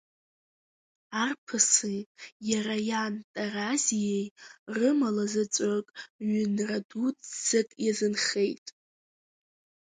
Арԥыси иара иан Таразиеи рымала заҵәык ҩынра дуӡӡак иазынхеит.